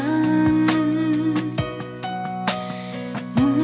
อินโทรเพลงที่๓มูลค่า๔๐๐๐๐บาทมาเลยครับ